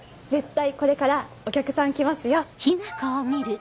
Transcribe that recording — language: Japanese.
絶対これからお客さん来ますよ！